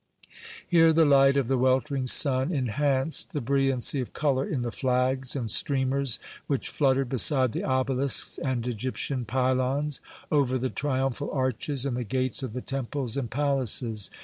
Here the light of the weltering sun enhanced the brilliancy of colour in the flags and streamers which fluttered beside the obelisks and Egyptian pylons, over the triumphal arches and the gates of the temples and palaces.